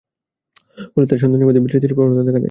ফলে তাঁর সন্তানদের মধ্যে বিস্মৃতির প্রবণতা দেখা দেয়।